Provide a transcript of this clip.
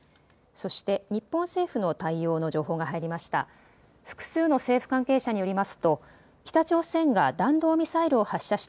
そして日本政府の対応の情報が入りました。